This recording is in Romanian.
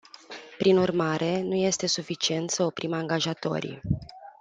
Prin urmare, nu este suficient să oprim angajatorii.